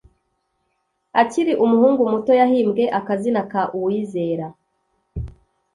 Akiri umuhungu muto yahimbwe akazina ka "uwizera"